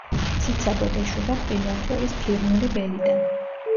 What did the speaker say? ციცაბოდ ეშვება მყინვარწვერის ფირნული ველიდან.